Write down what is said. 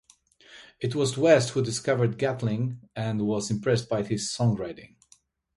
It was West who discovered Gatlin and was impressed by his songwriting.